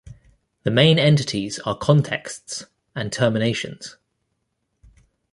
The main entities are Contexts and Terminations.